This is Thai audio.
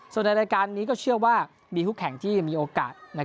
ส่วนในรายการนี้ก็เชื่อว่ามีคู่แข่งที่มีโอกาส